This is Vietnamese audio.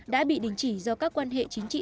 đã bị đình chỉ do các quan hệ chính trị